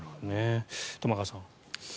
玉川さん。